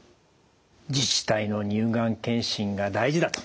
自治体の乳がん検診が大事だと。